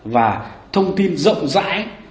và thông tin rộng rãi